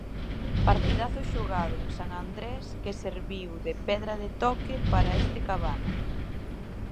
Partidazo xogado en San Andrés que serviu de pedra de toque para este Cabana.